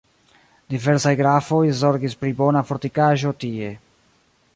Diversaj grafoj zorgis pri bona fortikaĵo tie.